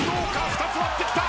２つ割ってきた！